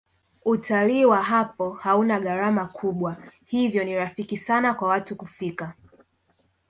utalii wa hapo hauna gharama kubwa hivyo ni rafiki sana kwa watu kufika